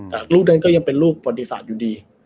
แต่ลูกนั้นก็ยังเป็นลูกประวัติศาสตร์อยู่ดี